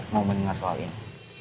mau mendengar soal ini